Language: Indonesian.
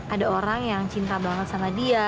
ada orang yang cinta banget sama dia